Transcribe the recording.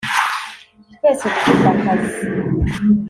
twese dufite akazi